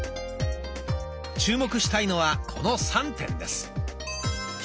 注目したいのはこの３点です。